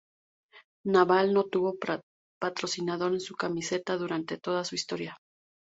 Naval no tuvo patrocinador en su camiseta durante toda su historia.